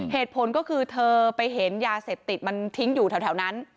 เหตุผลก็คือเธอไปเห็นยาเสพติดมันทิ้งอยู่แถวนั้น